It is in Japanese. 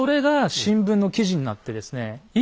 新聞記事になったんですね。